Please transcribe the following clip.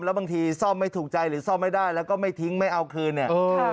แล้วบางทีซ่อมไม่ถูกใจหรือซ่อมไม่ได้แล้วก็ไม่ทิ้งไม่เอาคืนเนี่ย